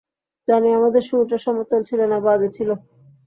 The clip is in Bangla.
জানি আমাদের শুরুটা সমতল ছিল না, বাজে ছিল।